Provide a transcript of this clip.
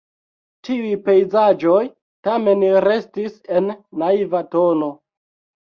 Tiuj pejzaĝoj tamen restis en naiva tono.